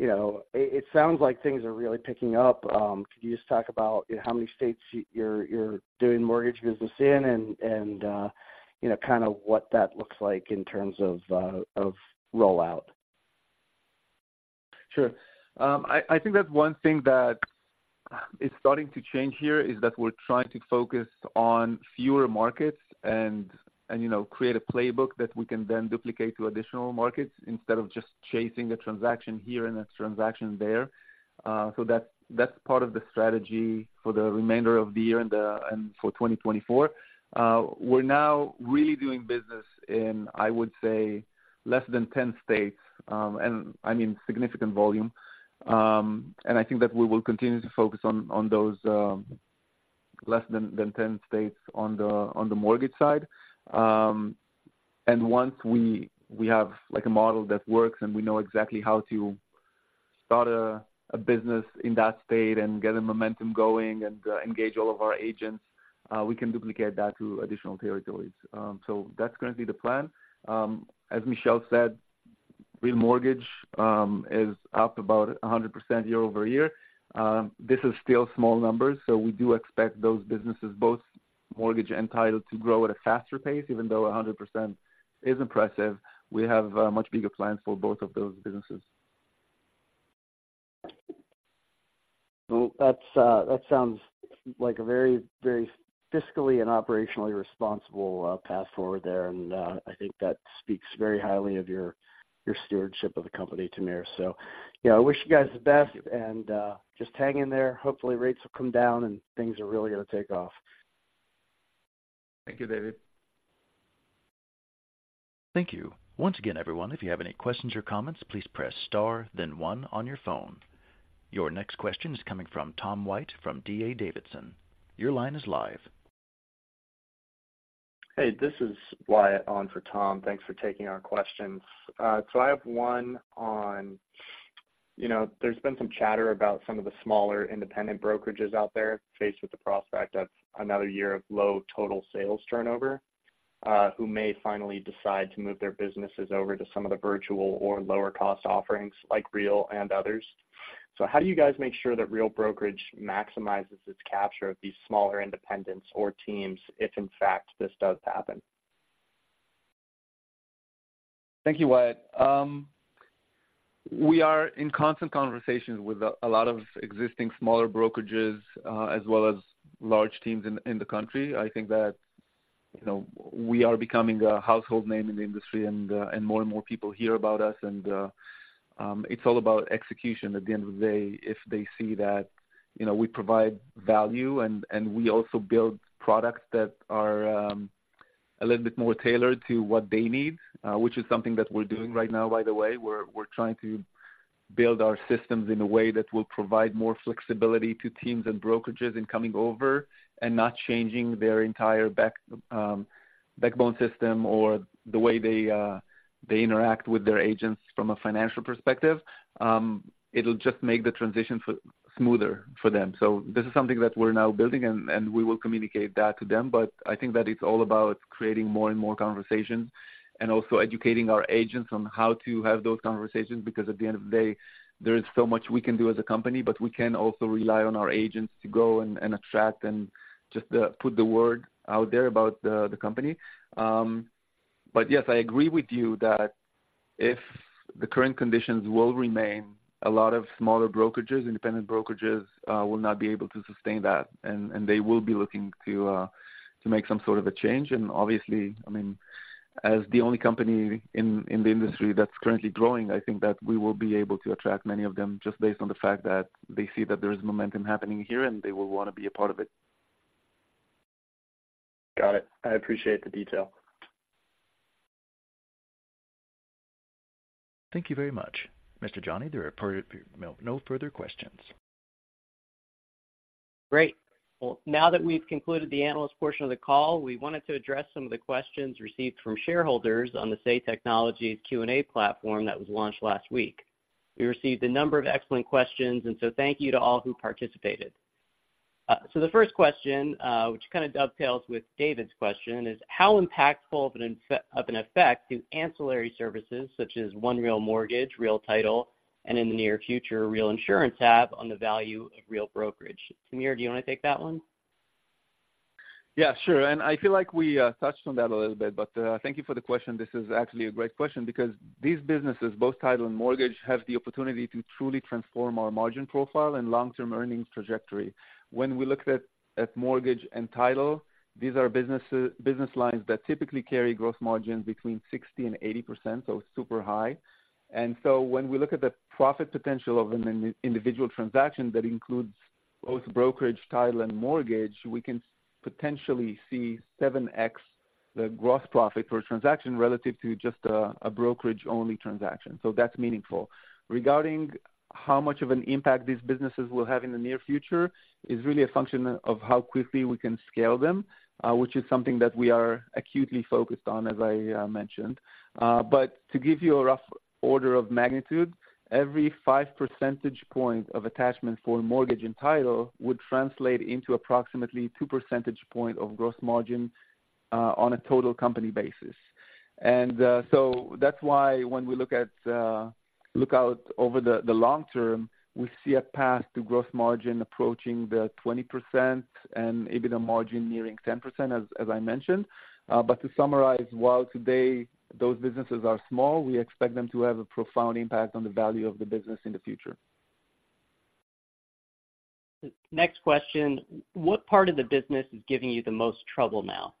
you know, it sounds like things are really picking up. Could you just talk about, you know, how many states you're doing mortgage business in and, you know, kind of what that looks like in terms of rollout? Sure. I, I think that's one thing that is starting to change here, is that we're trying to focus on fewer markets and, and, you know, create a playbook that we can then duplicate to additional markets instead of just chasing a transaction here and a transaction there. So that's, that's part of the strategy for the remainder of the year and, and for 2024. We're now really doing business in, I would say, less than 10 states, and I mean significant volume. And I think that we will continue to focus on, on those, less than, than 10 states on the, on the mortgage side. Once we have, like, a model that works and we know exactly how to start a business in that state and get a momentum going and engage all of our agents, we can duplicate that to additional territories. That's currently the plan. As Michelle said, Real Mortgage is up about 100% year-over-year. This is still small numbers, so we do expect those businesses, both Mortgage and Title, to grow at a faster pace. Even though 100% is impressive, we have much bigger plans for both of those businesses. Well, that sounds like a very, very fiscally and operationally responsible path forward there, and I think that speaks very highly of your stewardship of the company, Tamir. So, you know, I wish you guys the best, and just hang in there. Hopefully, rates will come down and things are really going to take off. Thank you, David. Thank you. Once again, everyone, if you have any questions or comments, please press star, then one on your phone. Your next question is coming from Tom White, from D.A. Davidson. Your line is live. Hey, this is Wyatt on for Tom. Thanks for taking our questions. So I have one on, you know, there's been some chatter about some of the smaller independent brokerages out there, faced with the prospect of another year of low total sales turnover, who may finally decide to move their businesses over to some of the virtual or lower-cost offerings like Real and others. So how do you guys make sure that Real Brokerage maximizes its capture of these smaller independents or teams, if in fact, this does happen? Thank you, Wyatt. We are in constant conversations with a lot of existing smaller brokerages, as well as large teams in the country. I think that, you know, we are becoming a household name in the industry, and more and more people hear about us, and it's all about execution. At the end of the day, if they see that, you know, we provide value and we also build products that are a little bit more tailored to what they need, which is something that we're doing right now, by the way. We're trying to build our systems in a way that will provide more flexibility to teams and brokerages in coming over and not changing their entire back backbone system or the way they interact with their agents from a financial perspective. It'll just make the transition smoother for them. So this is something that we're now building, and we will communicate that to them. But I think that it's all about creating more and more conversations and also educating our agents on how to have those conversations, because at the end of the day, there is so much we can do as a company, but we can also rely on our agents to go and attract and just put the word out there about the company. But yes, I agree with you that if the current conditions will remain, a lot of smaller brokerages, independent brokerages, will not be able to sustain that, and they will be looking to make some sort of a change. Obviously, I mean, as the only company in the industry that's currently growing, I think that we will be able to attract many of them just based on the fact that they see that there is momentum happening here, and they will wanna be a part of it. Got it. I appreciate the detail. Thank you very much. Mr. Jani, there are no, no further questions. Great. Well, now that we've concluded the analyst portion of the call, we wanted to address some of the questions received from shareholders on the Say Technologies Q&A platform that was launched last week. We received a number of excellent questions, and so thank you to all who participated. So the first question, which kind of dovetails with David's question, is how impactful of an effect do ancillary services such as One Real Mortgage, Real Title, and in the near future, Real Insurance have on the value of Real Brokerage? Tamir, do you want to take that one? Yeah, sure. I feel like we touched on that a little bit, but thank you for the question. This is actually a great question because these businesses, both title and mortgage, have the opportunity to truly transform our margin profile and long-term earnings trajectory. When we look at mortgage and title, these are business lines that typically carry gross margins between 60% to 80%, so super high. So when we look at the profit potential of an individual transaction that includes both brokerage, title, and mortgage, we can potentially see 7x the gross profit per transaction relative to just a brokerage-only transaction. So that's meaningful. Regarding how much of an impact these businesses will have in the near future, is really a function of how quickly we can scale them, which is something that we are acutely focused on, as I mentioned. But to give you a rough order of magnitude, every 5 percentage point of attachment for mortgage and title would translate into approximately 2 percentage point of gross margin, on a total company basis. And, so that's why when we look out over the long term, we see a path to gross margin approaching the 20% and EBITDA margin nearing 10%, as I mentioned. But to summarize, while today those businesses are small, we expect them to have a profound impact on the value of the business in the future. Next question: What part of the business is giving you the most trouble now?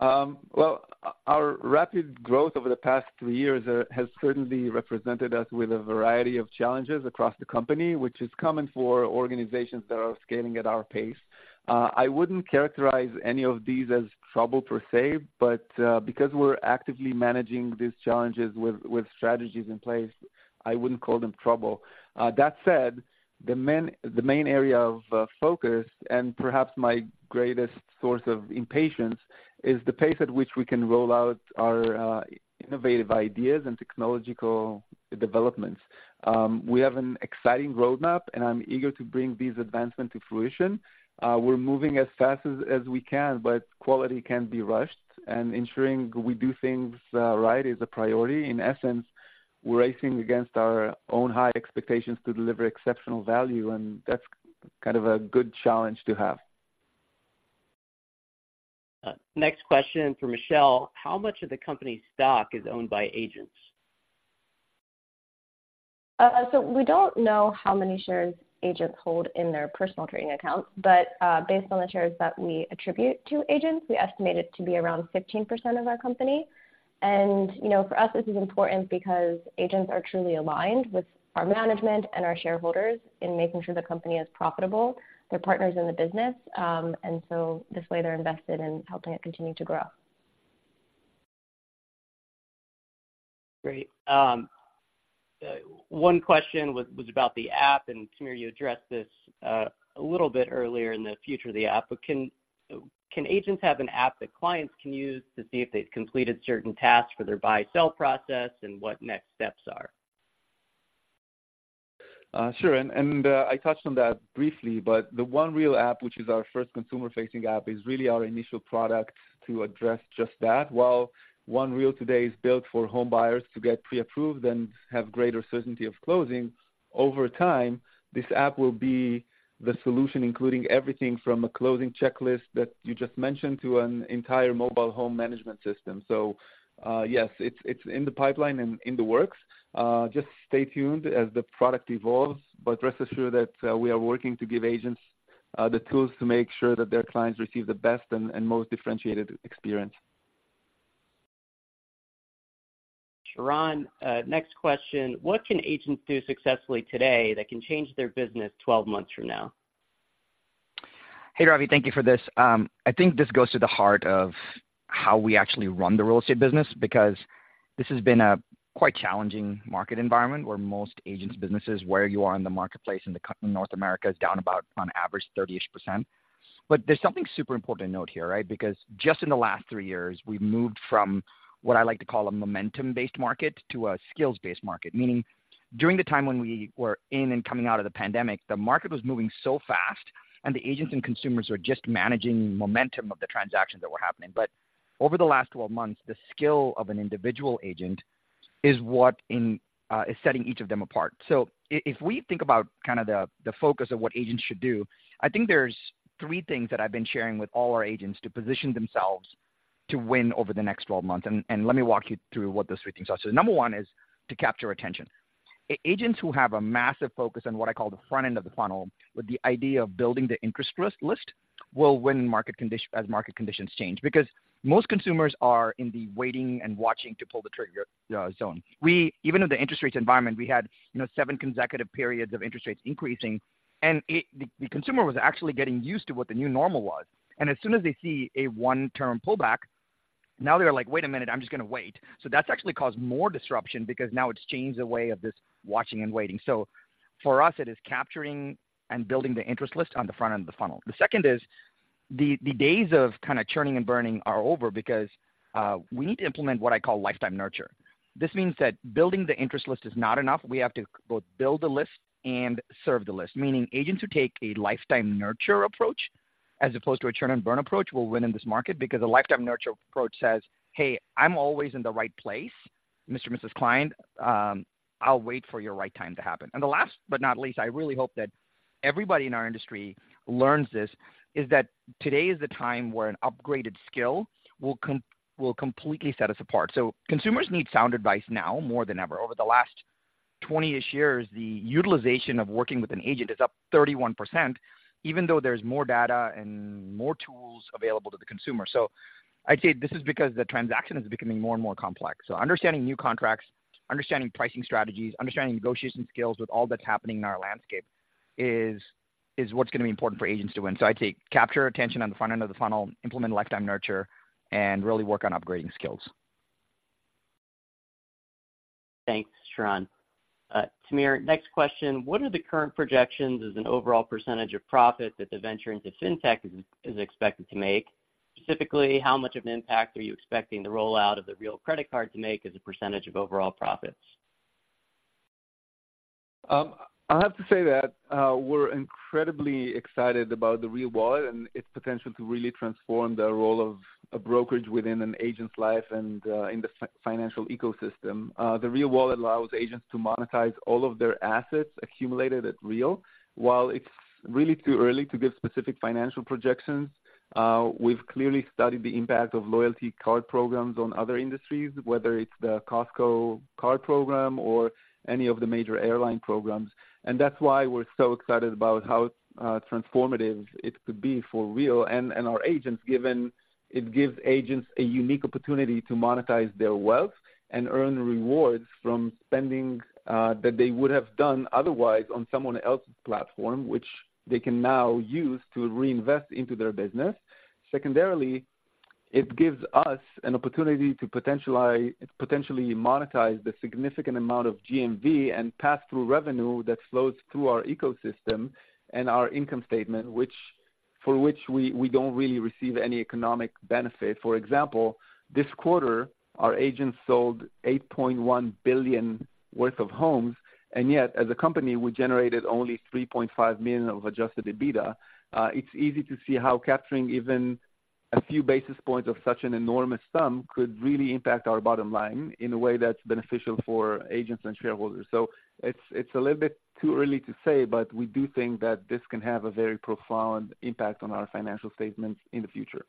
Well, our rapid growth over the past three years has certainly presented us with a variety of challenges across the company, which is common for organizations that are scaling at our pace. I wouldn't characterize any of these as trouble per se, but because we're actively managing these challenges with strategies in place, I wouldn't call them trouble. That said, the main area of focus and perhaps my greatest source of impatience is the pace at which we can roll out our innovative ideas and technological developments. We have an exciting roadmap, and I'm eager to bring these advancements to fruition. We're moving as fast as we can, but quality can't be rushed, and ensuring we do things right is a priority. In essence, we're racing against our own high expectations to deliver exceptional value, and that's kind of a good challenge to have. Next question for Michelle: How much of the company's stock is owned by agents? So we don't know how many shares agents hold in their personal trading accounts, but, based on the shares that we attribute to agents, we estimate it to be around 15% of our company. You know, for us, this is important because agents are truly aligned with our management and our shareholders in making sure the company is profitable. They're partners in the business, and so this way, they're invested in helping it continue to grow. Great. One question was about the app, and Tamir, you addressed this a little bit earlier in the future of the app. But can agents have an app that clients can use to see if they've completed certain tasks for their buy/sell process and what next steps are? Sure, and, I touched on that briefly, but the One Real app, which is our first consumer-facing app, is really our initial product to address just that. While One Real today is built for home buyers to get pre-approved and have greater certainty of closing, over time, this app will be the solution, including everything from a closing checklist that you just mentioned to an entire mobile home management system. So, yes, it's in the pipeline and in the works. Just stay tuned as the product evolves, but rest assured that we are working to give agents the tools to make sure that their clients receive the best and most differentiated experience. Sharran, next question: What can agents do successfully today that can change their business 12 months from now? Hey, Ravi, thank you for this. I think this goes to the heart of how we actually run the real estate business, because this has been a quite challenging market environment, where most agents' businesses, where you are in the marketplace in the North America, is down about on average 30-ish%. But there's something super important to note here, right? Because just in the last three years, we've moved from what I like to call a momentum-based market to a skills-based market. Meaning, during the time when we were in and coming out of the pandemic, the market was moving so fast, and the agents and consumers were just managing momentum of the transactions that were happening. But over the last 12 months, the skill of an individual agent is what is setting each of them apart. So if we think about kind of the focus of what agents should do, I think there's three things that I've been sharing with all our agents to position themselves to win over the next 12 months. And let me walk you through what those three things are. So number one is to capture attention. Agents who have a massive focus on what I call the front end of the funnel, with the idea of building the interest list, will win as market conditions change. Because most consumers are in the waiting and watching to pull the trigger zone. Even in the interest rates environment, we had, you know, seven consecutive periods of interest rates increasing, and the consumer was actually getting used to what the new normal was. As soon as they see a one-term pullback, now they're like: Wait a minute, I'm just gonna wait. So that's actually caused more disruption because now it's changed the way of this watching and waiting. So for us, it is capturing and building the interest list on the front end of the funnel. The second is, the days of kind of churning and burning are over because we need to implement what I call lifetime nurture. This means that building the interest list is not enough. We have to both build the list and serve the list, meaning agents who take a lifetime nurture approach, as opposed to a churn and burn approach, will win in this market. Because a lifetime nurture approach says, "Hey, I'm always in the right place, Mr. and Mrs. Client, I'll wait for your right time to happen." And the last, but not least, I really hope that everybody in our industry learns this, is that today is the time where an upgraded skill will completely set us apart. So consumers need sound advice now more than ever. Over the last 20-ish years, the utilization of working with an agent is up 31%, even though there's more data and more tools available to the consumer. So I'd say this is because the transaction is becoming more and more complex. So understanding new contracts, understanding pricing strategies, understanding negotiation skills with all that's happening in our landscape, is what's gonna be important for agents to win. So I'd say capture attention on the front end of the funnel, implement lifetime nurture, and really work on upgrading skills. Thanks, Sharran. Tamir, next question: What are the current projections as an overall percentage of profit that the venture into fintech is expected to make? Specifically, how much of an impact are you expecting the rollout of the Real Credit Card to make as a percentage of overall profits? I have to say that, we're incredibly excited about the Real Wallet and its potential to really transform the role of a brokerage within an agent's life and, in the financial ecosystem. The Real Wallet allows agents to monetize all of their assets accumulated at Real. While it's really too early to give specific financial projections, we've clearly studied the impact of loyalty card programs on other industries, whether it's the Costco card program or any of the major airline programs, and that's why we're so excited about how transformative it could be for Real and our agents, given it gives agents a unique opportunity to monetize their wealth and earn rewards from spending that they would have done otherwise on someone else's platform, which they can now use to reinvest into their business. Secondarily, it gives us an opportunity to potentially monetize the significant amount of GMV and pass-through revenue that flows through our ecosystem and our income statement, which for which we, we don't really receive any economic benefit. For example, this quarter, our agents sold $8.1 billion worth of homes, and yet, as a company, we generated only $3.5 million of adjusted EBITDA. It's easy to see how capturing even a few basis points of such an enormous sum could really impact our bottom line in a way that's beneficial for agents and shareholders. So it's, it's a little bit too early to say, but we do think that this can have a very profound impact on our financial statements in the future.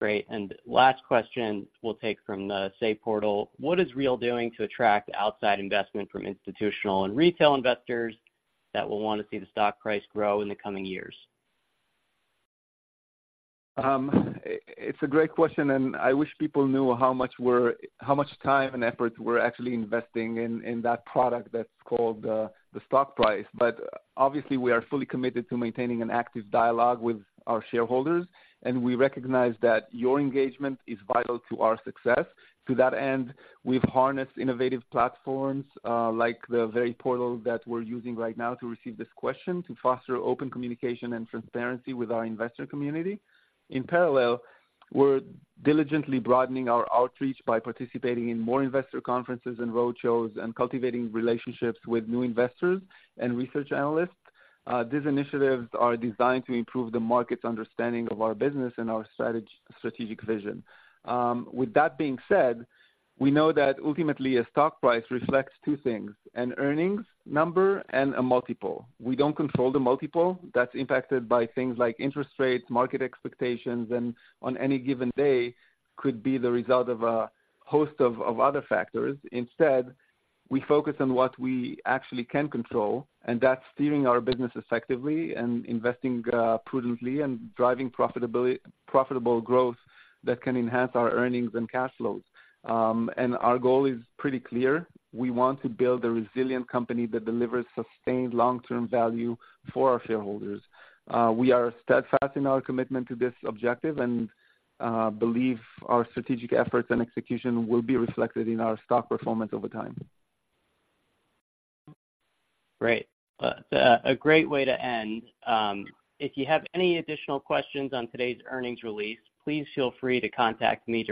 Great, and last question we'll take from the Say portal: What is Real doing to attract outside investment from institutional and retail investors that will want to see the stock price grow in the coming years? It's a great question, and I wish people knew how much time and effort we're actually investing in that product that's called the stock price. But obviously, we are fully committed to maintaining an active dialogue with our shareholders, and we recognize that your engagement is vital to our success. To that end, we've harnessed innovative platforms like the very portal that we're using right now to receive this question, to foster open communication and transparency with our investor community. In parallel, we're diligently broadening our outreach by participating in more investor conferences and roadshows and cultivating relationships with new investors and research analysts. These initiatives are designed to improve the market's understanding of our business and our strategic vision. With that being said, we know that ultimately, a stock price reflects two things: an earnings number and a multiple. We don't control the multiple. That's impacted by things like interest rates, market expectations, and on any given day, could be the result of a host of other factors. Instead, we focus on what we actually can control, and that's steering our business effectively and investing, prudently and driving profitability, profitable growth that can enhance our earnings and cash flows. And our goal is pretty clear. We want to build a resilient company that delivers sustained long-term value for our shareholders. We are steadfast in our commitment to this objective and, believe our strategic efforts and execution will be reflected in our stock performance over time. Great. A great way to end. If you have any additional questions on today's earnings release, please feel free to contact me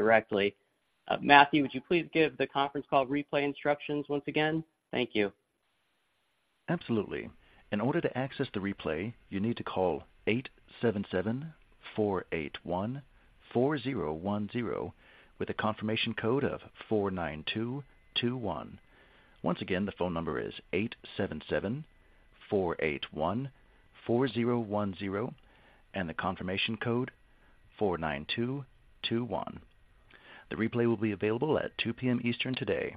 directly. Matthew, would you please give the conference call replay instructions once again? Thank you. Absolutely. In order to access the replay, you need to call 877-481-4010 with a confirmation code of 49221. Once again, the phone number is 877-481-4010, and the confirmation code, 49221. The replay will be available at 2 P.M. Eastern today.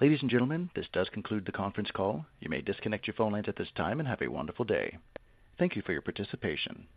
Ladies and gentlemen, this does conclude the conference call. You may disconnect your phone lines at this time and have a wonderful day. Thank you for your participation.